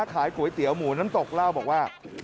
ขายก๋วยเตี๋ยวหมูน้ำตกเล่าบอกว่า